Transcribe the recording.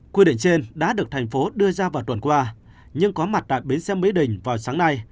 quy định trên đã được thành phố đưa ra vào tuần qua nhưng có mặt tại bến xe mỹ đình vào sáng nay